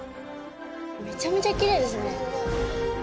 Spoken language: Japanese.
めちゃめちゃキレイですね。